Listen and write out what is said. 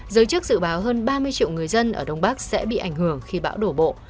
giới chức dự báo hơn ba mươi triệu người dân ở đông bắc sẽ bị ảnh hưởng khi bão đổ bộ